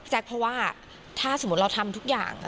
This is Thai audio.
เพราะว่าถ้าสมมุติเราทำทุกอย่าง